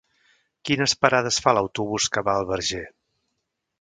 Quines parades fa l'autobús que va al Verger?